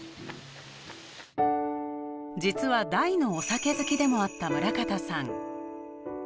実は大のお酒好きでもあった村方さん。